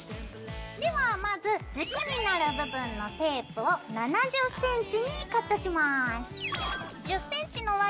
ではまず軸になる部分のテープを７０ｃｍにカットします。